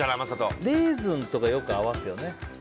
レーズンとかよく合わすよね。